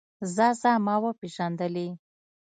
ځه ځه ما وپېژندلې.